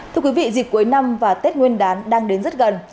thưa quý vị dịp cuối năm và tết nguyên đán đang đến rất gần